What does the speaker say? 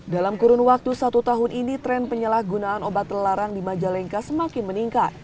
dalam kurun waktu satu tahun ini tren penyalahgunaan obat terlarang di majalengka semakin meningkat